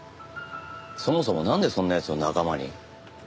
そもそもなんでそんな奴を仲間に？